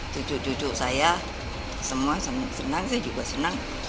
cucu cucu saya semua senang saya juga senang